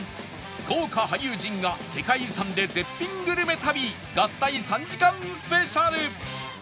豪華俳優陣が世界遺産で絶品グルメ旅合体３時間スペシャル